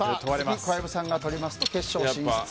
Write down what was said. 次、小籔さんがとりますと決勝進出。